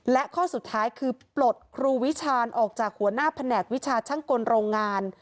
และข้อสุดท้ายคือปลดครูวิชาญออกจากหัวหน้าแผนกวิชาช่างกลโรงงาน